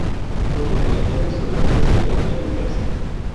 Otro calendario solar es el calendario persa.